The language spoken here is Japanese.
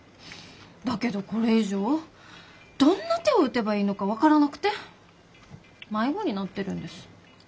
だけどこれ以上どんな手を打てばいいのか分からなくて迷子になってるんです。